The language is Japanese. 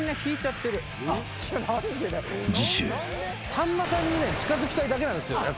さんまさんにね近づきたいだけなんですやつは。